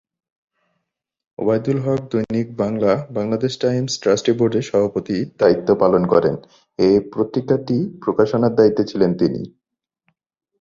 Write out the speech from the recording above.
ওবায়দুল হক দৈনিক বাংলা-বাংলাদেশ Times trustee বোর্ডের সভাপতির দায়িত্ব পালন করেন এব পত্রিকাটি প্রকাশনার দায়িত্বে তিনি ছিলেন।